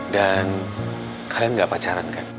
dan kalian gak pacaran kan